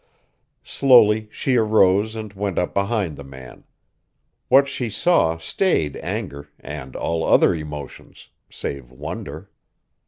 Slowly she arose and went up behind the man. What she saw stayed anger and all other emotions save wonder.